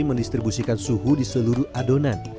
mendistribusikan suhu di seluruh adonan